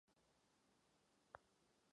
Půdorys kostela má tvar latinského kříže.